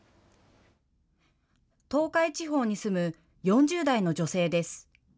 東海地方に住む４０代の女性です。